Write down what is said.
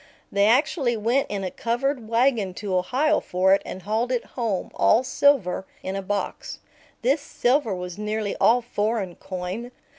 They actually went in a covered wagon to Ohio for it and hauled it home, all silver, in a box. This silver was nearly all foreign coin.